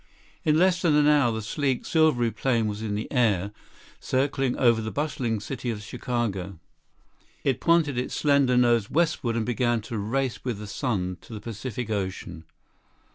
In less than an hour the sleek, silvery plane was in the air, circling over the bustling city of Chicago. It pointed its slender nose westward, and began a race with the sun to the Pacific Ocean.